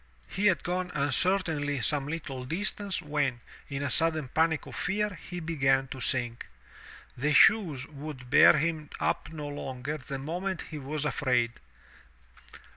He had gone uncertainly some Uttle distance, when, in a sudden panic of fear, he began to sink. The shoes would bear him up no longer the moment he was afraid.